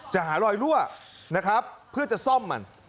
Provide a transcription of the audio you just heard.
จะหารอยรั่วนะครับเพื่อจะซ่อมมัน